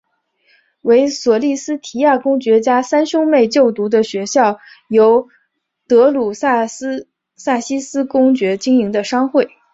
为索利斯提亚公爵家三兄妹就读的学校由德鲁萨西斯公爵经营的商会。